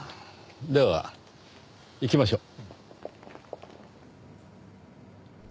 では行きましょう。